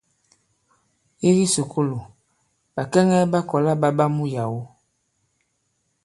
I kisùkulù, ɓàkɛŋɛ ɓa kɔ̀la ɓa ɓa muyàwo.